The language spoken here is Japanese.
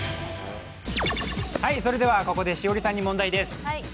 それではここで栞里さんに問題です。